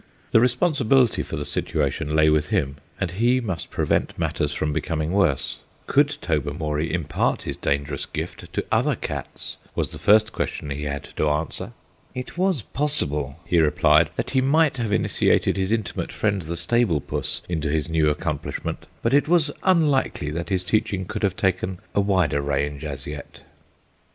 The responsibility for the situation lay with him, and he must prevent matters from becoming worse. Could Tobermory impart his dangerous gift to other cats? was the first question he had to answer. It was possible, he replied, that he might have initiated his intimate friend the stable puss into his new accomplishment, but it was unlikely that his teaching could have taken a wider range as yet.